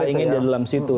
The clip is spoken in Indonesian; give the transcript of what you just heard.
persaingan di dalam situ